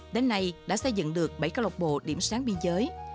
đến nay đã xây dựng được bảy câu lọc bộ điểm sáng biên giới